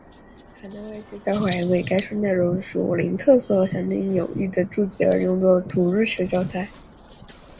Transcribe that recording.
海内外一些教会还因该书内容的属灵特色和详尽且有益的注解而用作主日学教材。